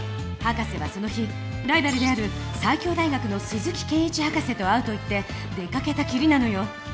博士はその日ライバルである西京大学の鈴木研一博士と会うと言って出かけたきりなのよ。